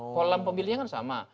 kolam pemilihnya kan sama